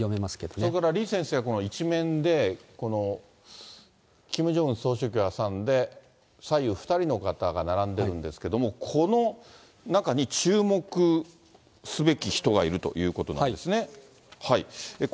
それから李先生はこの１面でキム・ジョンウン総書記挟んで、左右２人の方が並んでるんですけれども、この中に注目すべき人がいるということなんですね。